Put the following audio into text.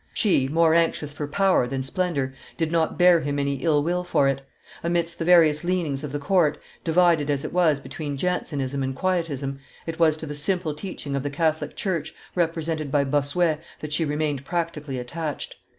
She, more anxious for power than splendor, did not bear him any ill will for it; amidst the various leanings of the court, divided as it was between Jansenism and Quietism, it was to the simple teaching of the Catholic church, represented by Bossuet, that she remained practically attached.